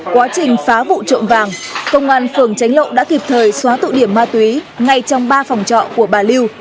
quá trình phá vụ trộm vàng công an phường tránh lộ đã kịp thời xóa tụ điểm ma túy ngay trong ba phòng trọ của bà lưu